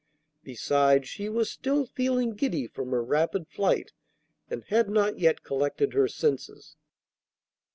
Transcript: Besides she was still feeling giddy from her rapid flight, and had not yet collected her senses.